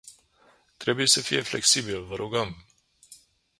Trebuie să fie flexibil, vă rugăm!